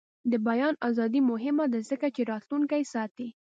د بیان ازادي مهمه ده ځکه چې راتلونکی ساتي.